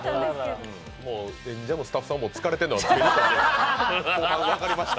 演者もスタッフさんも疲れてるのは後半、分かりました。